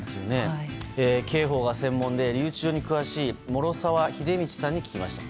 刑法が専門で留置場に詳しい諸澤英道さんに聞きました。